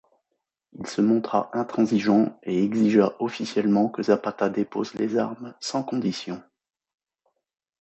Il se montra intransigeant et exigea officiellement que Zapata dépose les armes sans conditions.